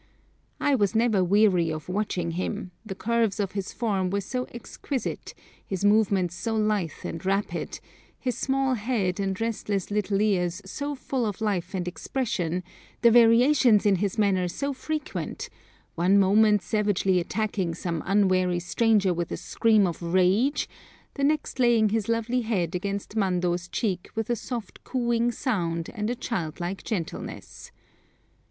I was never weary of watching him, the curves of his form were so exquisite, his movements so lithe and rapid, his small head and restless little ears so full of life and expression, the variations in his manner so frequent, one moment savagely attacking some unwary stranger with a scream of rage, the next laying his lovely head against Mando's cheek with a soft cooing sound and a childlike gentleness.